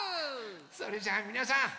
それじゃあみなさん！